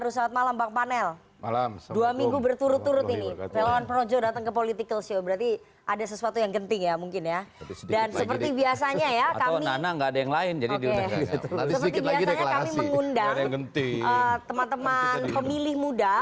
seperti biasanya kami mengundang teman teman pemilih muda